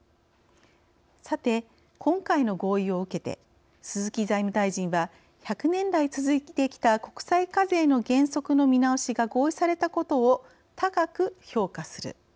さて、今回の合意を受けて鈴木財務大臣は「１００年来続いてきた国際課税の原則の見直しが合意されたことを高く評価する」。